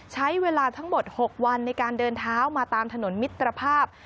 ใช้เวลาทั้งหมด๖วันในการเดินเท้ามาตามถนนมิตรภาพ